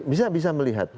iya bisa melihat